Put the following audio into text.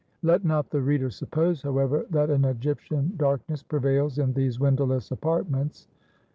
Let not the reader suppose, however, that an Egyptian darkness prevails in these windowless apartments.